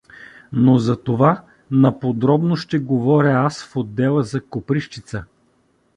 Но за това наподробно ще да говоря аз в отдела за Коприщица.